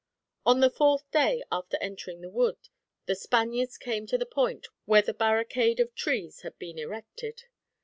On the fourth day after entering the wood, the Spaniards came to the point where the barricade of trees had been erected.